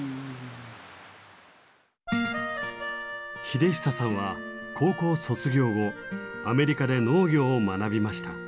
秀久さんは高校卒業後アメリカで農業を学びました。